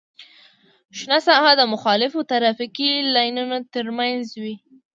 شنه ساحه د مخالفو ترافیکي لاینونو ترمنځ وي